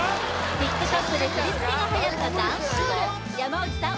ＴｉｋＴｏｋでフリつけがはやった「ダンスホール」山内さん